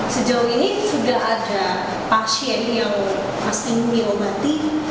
sejauh ini sudah ada pasien yang masih diobati